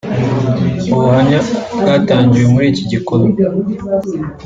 Mubuhamya bwatangiwe muri iki gikorwa